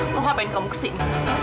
mau ngapain kamu kesini